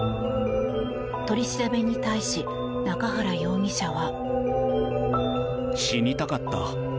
取り調べに対し中原容疑者は。